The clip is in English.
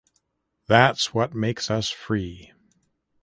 That’s what makes us free.